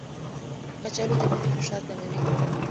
کچالو د وینې فشار کموي.